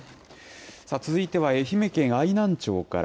続いては愛媛県愛南町から。